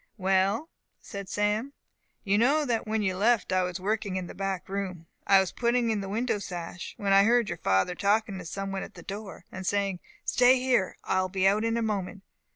"Well," said Sam, "you know that when you left I was working in the back room. I was putting in the window sash, when I heard your father talking to some one at the door, and saying, 'Stay here, I will be out in a moment!